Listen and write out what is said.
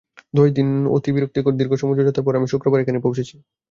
দশ দিন অতি বিরক্তিকর দীর্ঘ সমুদ্রযাত্রার পর আমি গত শুক্রবার এখানে পৌঁছেছি।